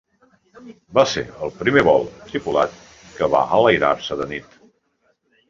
Va ser el primer vol tripulat que va enlairar-se de nit.